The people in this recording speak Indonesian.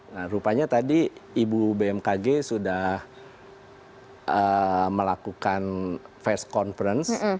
nah rupanya tadi ibu bmkg sudah melakukan face conference